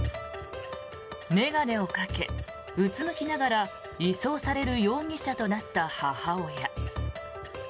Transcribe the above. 眼鏡をかけ、うつむきながら移送される容疑者となった母親。